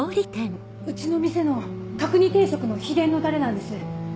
うちの店の角煮定食の秘伝のタレなんです。